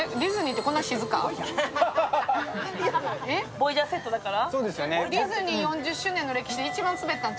ボイジャーセットだから。